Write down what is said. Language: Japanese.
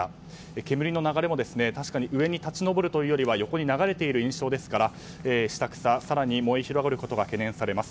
煙の流れも確かに上に立ち上るというよりは横に流れている印象ですから下草が更に燃え広がることが懸念されます。